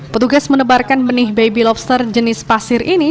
petugas menebarkan benih baby lobster jenis pasir ini